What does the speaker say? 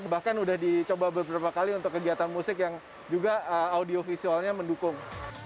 bahkan sudah dicoba beberapa kali untuk kegiatan musik yang juga audio visualnya mendukung